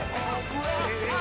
えっ！